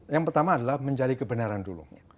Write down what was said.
yang pertama adalah mencari kebenaran dulu